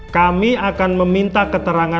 kami akan meminta keterangan